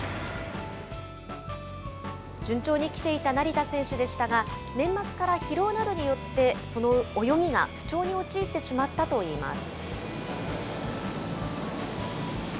順調に来ていた成田選手でしたが、年末から疲労などによって、その泳ぎが不調に陥ってしまったといいます。